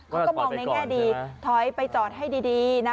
เขาก็มองในแง่ดีถอยไปจอดให้ดีนะ